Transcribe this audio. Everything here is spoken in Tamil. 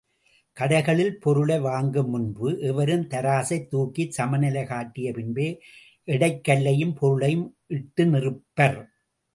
கடைகளில் பொருளை வாங்கும் முன்பு, எவரும் தராசைத் துக்கிச் சமநிலை காட்டிய பின்பே எடைக்கல்லையும் பொருளையும் இட்டு நிறுப்பர்.